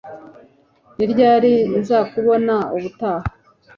Ni ryari nzakubona ubutaha